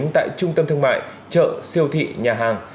tại trung tâm thương mại chợ siêu thị nhà hàng